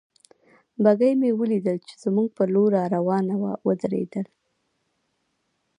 بګۍ مې ولیدل چې زموږ پر لور را روانه وه، ودرېدل.